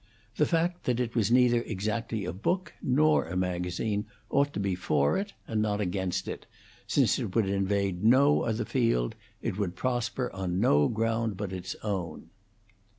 The fact that it was neither exactly a book nor a magazine ought to be for it and not against it, since it would invade no other field; it would prosper on no ground but its own.